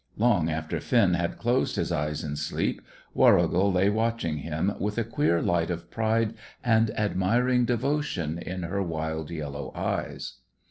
Long after Finn had closed his eyes in sleep, Warrigal lay watching him, with a queer light of pride and admiring devotion in her wild yellow eyes.